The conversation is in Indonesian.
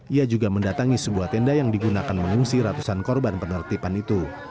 ia juga mendatangi sebuah tenda yang digunakan mengungsi ratusan korban penertiban itu